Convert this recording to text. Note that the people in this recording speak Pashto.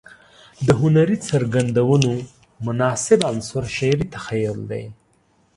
د هنري څرګندونو مناسب عنصر شعري تخيل دى.